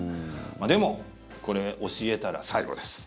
でも、これ教えたら最後です。